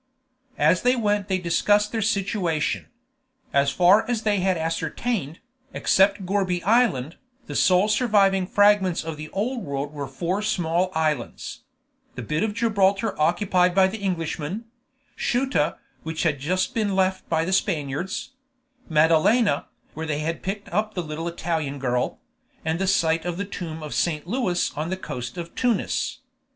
As they went they discussed their situation. As far as they had ascertained, except Gourbi Island, the sole surviving fragments of the Old World were four small islands: the bit of Gibraltar occupied by the Englishmen; Ceuta, which had just been left by the Spaniards; Madalena, where they had picked up the little Italian girl; and the site of the tomb of Saint Louis on the coast of Tunis.